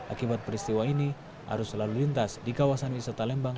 akibat peristiwa ini arus lalu lintas di kawasan wisata lembang